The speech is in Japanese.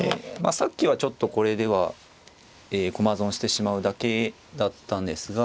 さっきはちょっとこれでは駒損してしまうだけだったんですが。